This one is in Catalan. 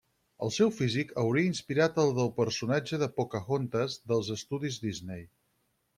El seu físic hauria inspirat el del personatge de Pocahontas dels estudis Disney.